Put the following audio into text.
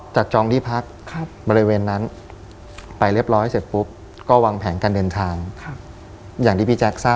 จากจองที่พัก